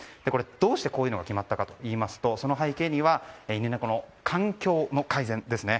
どうしてこういうのが決まったかといいますとその背景には犬、猫の環境の改善ですね。